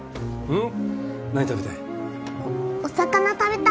うん。